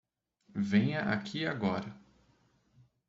Venha aqui agora.